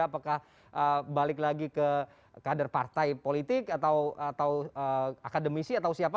apakah balik lagi ke kader partai politik atau akademisi atau siapa